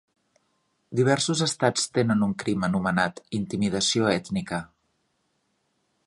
Diversos estats tenen un crim anomenat "intimidació ètnica".